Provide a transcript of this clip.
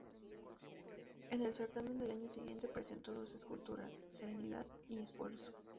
En el certamen del año siguiente presentó dos esculturas: ""Serenidad"" y ""Esfuerzo"".